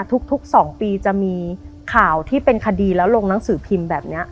ทุก๒ปีจะมีข่าวที่เป็นคดีแล้วลงหนังสือพิมพ์แบบนี้